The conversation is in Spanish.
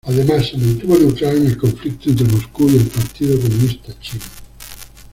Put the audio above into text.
Además se mantuvo neutral en el conflicto entre Moscú y el Partido Comunista Chino.